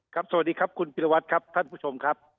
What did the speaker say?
สวัสดีครับคุณพิรวัตรครับท่านผู้ชมครับ